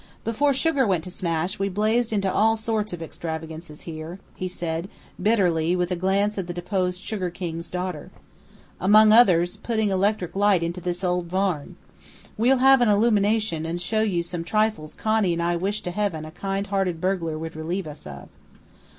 "Before sugar went to smash, we blazed into all sorts of extravagances here," he said, bitterly, with a glance at the deposed Sugar King's daughter. "Among others, putting electric light into this old barn. We'll have an illumination, and show you some trifles Connie and I wish to Heaven a kind hearted burglar would relieve us of.